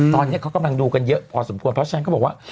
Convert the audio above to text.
ตอนนี้เขากำลังดูกันเยอะพอสมควรเพราะฉะนั้นเขาบอกว่า